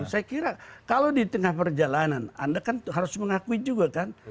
saya kira kalau di tengah perjalanan anda kan harus mengakui juga kan